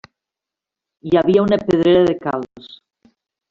Hi havia una pedrera de calç.